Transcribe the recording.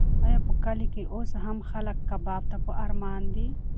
ایا په کلي کې اوس هم خلک کباب ته په ارمان دي؟